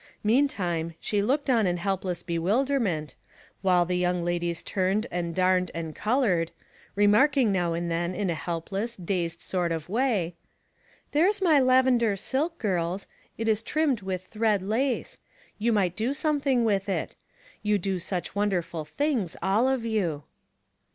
Meantime she looked on in helpless 12 Household Puzzles. bewilderment, while the young ladies turned and and darned and colored, remarking now and then in a helpless, dazed sort of way, — "There's my lavender silk, girls; it is trimmed with thread lace. You might do something with it. You do such wonderful things, all of you."